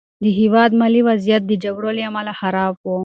د هېواد مالي وضعیت د جګړو له امله خراب و.